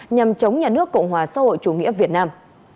nhằm chống nhà nước cộng hòa xã hội chủ nghĩa việt nam